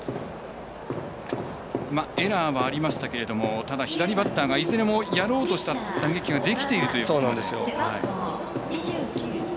エラーはありましたけど左バッターがいずれもやろうとした打撃ができているというところです。